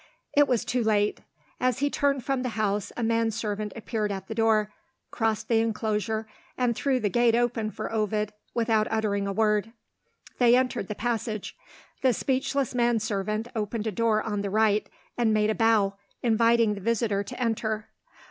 It was too late. As he turned from the house a manservant appeared at the door crossed the enclosure and threw the gate open for Ovid, without uttering a word. They entered the passage. The speechless manservant opened a door on the right, and made a bow, inviting the visitor to enter.